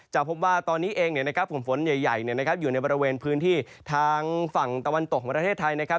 จะพบว่าตอนนี้เองฝนใหญ่อยู่ในบริเวณพื้นที่ทางฝั่งตะวันตกประเทศไทย